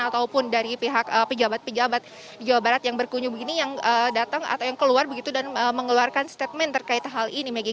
ataupun dari pihak pejabat pejabat di jawa barat yang berkunjung begini yang datang atau yang keluar begitu dan mengeluarkan statement terkait hal ini megi